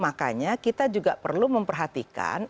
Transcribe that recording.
makanya kita juga perlu memperhatikan